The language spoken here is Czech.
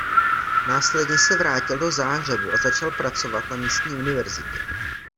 Následně se vrátil do Záhřebu a začal pracovat na místní univerzitě.